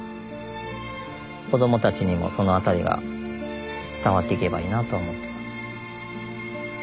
子供たちにもその辺りが伝わっていけばいいなとは思ってます。